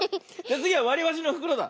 つぎはわりばしのふくろだ。